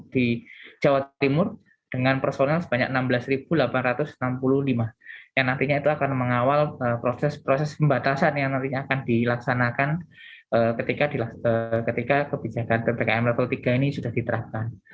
di jawa timur dengan personel sebanyak enam belas delapan ratus enam puluh lima yang nantinya itu akan mengawal proses proses pembatasan yang nantinya akan dilaksanakan ketika kebijakan ppkm level tiga ini sudah diterapkan